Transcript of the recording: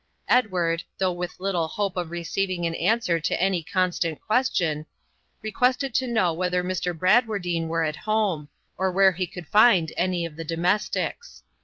Edward, though with little hope of receiving an answer to any constant question, requested to know whether Mr. Bradwardine were at home, or where he could find any of the domestics.